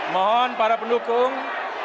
mohon para pendukung